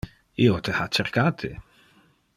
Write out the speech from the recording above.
Io te ha cercate.